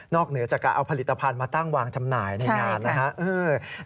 เหนือจากการเอาผลิตภัณฑ์มาตั้งวางจำหน่ายในงานนะครับ